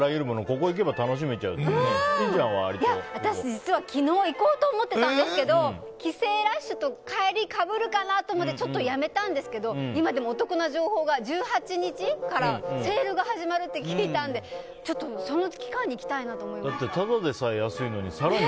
実は私昨日行こうと思ってたんですけど帰省ラッシュと帰り、かぶるかなと思ってやめたんですけど今でもお得な情報が、１８日からセールが始まるって聞いたんでちょっと、その期間に行きたいなと思いました。